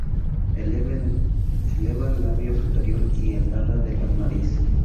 Eleva el labio superior y el ala de la nariz.